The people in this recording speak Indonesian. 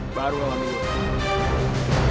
baru alami gua